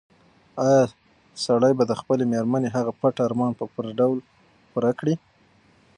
ایا سړی به د خپلې مېرمنې هغه پټ ارمان په پوره ډول پوره کړي؟